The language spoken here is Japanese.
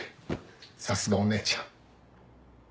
さすがお姉ちゃん。